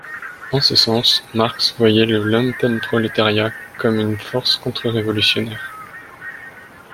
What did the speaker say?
En ce sens, Marx voyait le lumpenprolétariat comme une force contre-révolutionnaire.